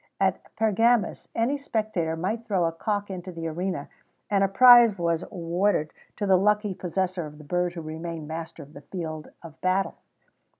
At Pergamus, any spectator might throw a cock into the arena, and a prize was awarded to the lucky possessor of the bird who remained master of the field of battle.